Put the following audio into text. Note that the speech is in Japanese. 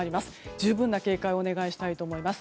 十分な警戒をお願いしたいと思います。